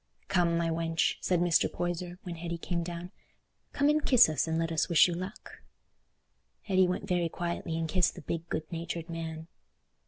"Come, my wench," said Mr. Poyser, when Hetty came down, "come and kiss us, and let us wish you luck." Hetty went very quietly and kissed the big good natured man.